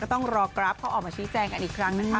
ต้องรอกราฟเขาออกมาชี้แจงกันอีกครั้งนะคะ